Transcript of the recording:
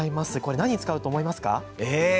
何に使うと思いますか。